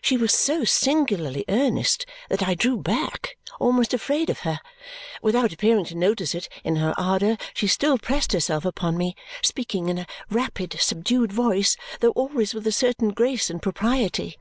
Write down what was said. She was so singularly earnest that I drew back, almost afraid of her. Without appearing to notice it, in her ardour she still pressed herself upon me, speaking in a rapid subdued voice, though always with a certain grace and propriety.